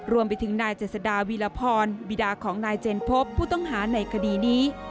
รวมไปถึงนายเจษฎาวีรพรบีดาของนายเจนพบผู้ต้องหาในคดีนี้